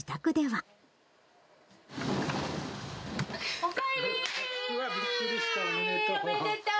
おかえりー。